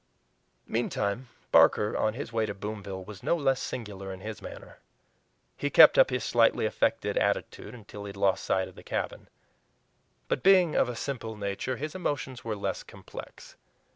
Meantime Barker on his way to Boomville was no less singular in his manner. He kept up his slightly affected attitude until he had lost sight of the cabin. But, being of a simple nature, his emotions were less complex.